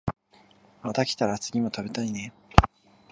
また来たら次も食べたいね